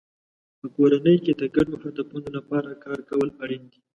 په کورنۍ کې د ګډو هدفونو لپاره کار کول اړین دی.